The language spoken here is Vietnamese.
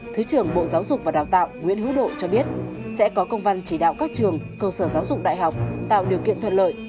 thứ trưởng bộ giáo dục và đào tạo nguyễn hữu độ cho biết sẽ có công văn chỉ đạo các trường cơ sở giáo dục đại học tạo điều kiện thuận lợi